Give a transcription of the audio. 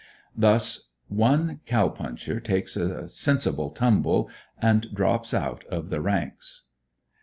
Thus one cow puncher takes a sensible tumble and drops out of the ranks.